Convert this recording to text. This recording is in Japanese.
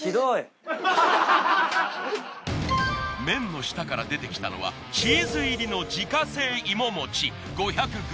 麺の下から出てきたのはチーズ入りの自家製いももち５００ｇ。